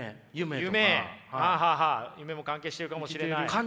夢も関係してるかもしれない。